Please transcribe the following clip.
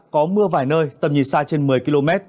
có mưa vài nơi tầm nhìn xa trên một mươi km